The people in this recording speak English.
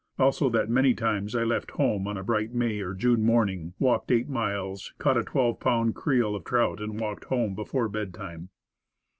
Also, that many times I left home on a bright May or June morning, walked eight miles, caught a twelve pound creel of trout, and walked home before bedtime.